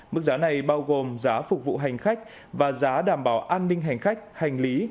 mức giá này bao gồm giá phục vụ hành khách và giá đảm bảo an ninh hành khách hành lý